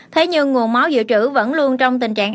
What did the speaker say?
thế nhưng nguồn máu dự trữ vẫn luôn trong tình trạng